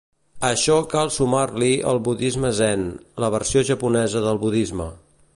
A això cal sumar-li el budisme zen, la versió japonesa del budisme.